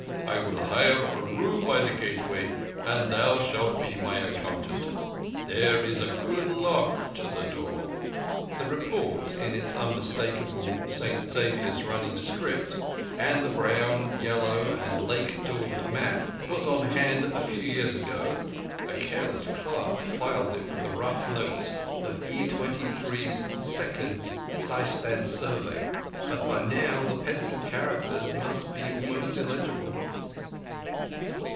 I will hire a room by the gateway, and thou shalt be my accountant. There is a good lock to the door." The report in its unmistakable St Xavier's running script, and the brown, yellow, and lake daubed map, was on hand a few years ago (a careless clerk filed it with the rough notes of E's second Seistan survey), but by now the pencil characters must be almost illegible.